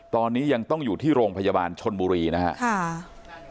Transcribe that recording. ตอนนี้ยังต้องอยู่ที่โรงพยาบาลชนบุรีนะครับ